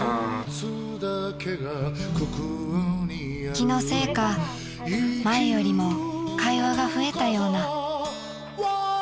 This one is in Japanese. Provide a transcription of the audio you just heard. ［気のせいか前よりも会話が増えたような］